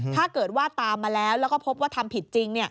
ถ้าเกิดว่าตามมาแล้วแล้วก็พบว่าทำผิดจริง